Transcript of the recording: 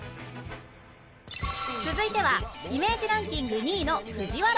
続いてはイメージランキング２位の藤原